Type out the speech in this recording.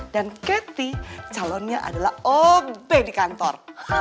dan kety calonnya adalah ob di kantor